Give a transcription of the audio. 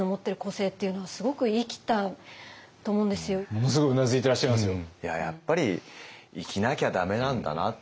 ものすごくうなずいてらっしゃいますよ。